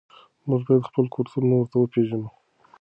موږ باید خپل کلتور نورو ته وپېژنو.